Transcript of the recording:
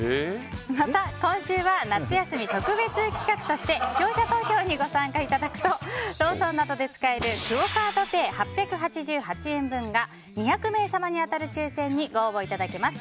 また今週は夏休み特別企画として視聴者投票にご参加いただくとローソンなどで使えるクオ・カードペイ８８８円分が２００名様に当たる抽選にご応募いただけます。